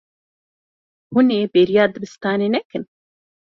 Hûn ê bêriya dibistanê nekin.